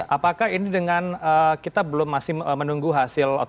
apakah ini dengan kita belum masih menunggu hasil otot